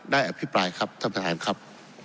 ได้อภิปรายครับท่านครับ